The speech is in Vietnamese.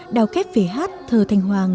đào kép về hát thờ thành hoàng